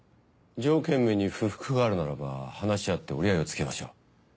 条件面に不服があるならば話し合って折り合いをつけましょう。